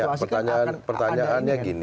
pertanyaannya pertanyaannya kayak gini